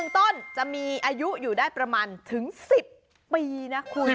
๑ต้นจะมีอายุอยู่ได้ประมาณถึง๑๐ปีนะคุณ